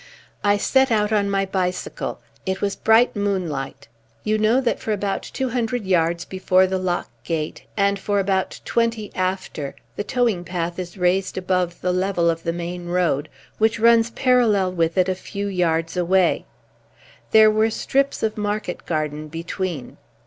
I set out on my bicycle. It was bright moonlight. You know that for about two hundred yards before the lock gate, and for about twenty after, the towing path is raised above the level of the main road which runs parallel with it a few yards away. There are strips of market garden between.